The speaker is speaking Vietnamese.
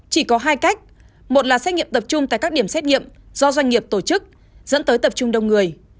chỉ có hai cách một là xét nghiệm tập trung tại các điểm xét nghiệm do doanh nghiệp tổ chức dẫn tới tập trung đông người